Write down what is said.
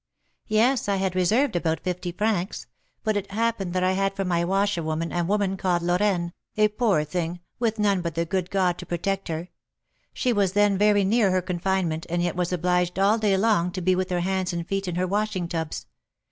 "Yes, I had reserved about fifty francs; but it happened that I had for my washerwoman a woman called Lorraine, a poor thing, with none but the good God to protect her. She was then very near her confinement, and yet was obliged all day long to be with her hands and feet in her washing tubs.